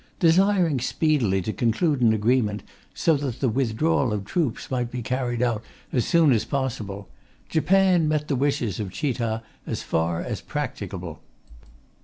Desiring speedily to conclude an agreement, so that the withdrawal of troops might be carried out as soon as possible, Japan met the wishes of Chita as far as practicable.